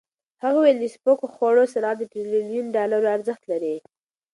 هغه وویل د سپکو خوړو صنعت د ټریلیون ډالرو ارزښت لري.